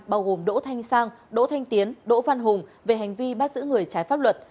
bao gồm đỗ thanh sang đỗ thanh tiến đỗ văn hùng về hành vi bắt giữ người trái pháp luật